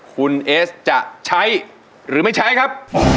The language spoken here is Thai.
คุณเอสจะใช้หรือไม่ใช้ครับ